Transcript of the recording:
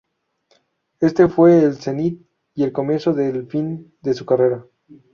Este fue el zenit y el comienzo del fin de su carrera.